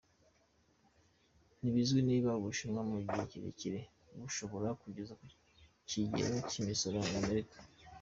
Ntibizwi niba Ubushinwa, mu gihe kirekire, bushobora kugeza ku kigero cy'imisoro y'Amerika.